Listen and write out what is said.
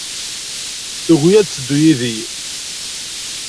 Tugi ad teddu yid-i.